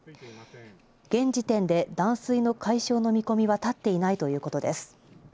現時点で断水の解消の見込みは立っていないということです。